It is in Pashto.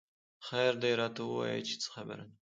خېر دۍ راته وويه چې څه خبره ده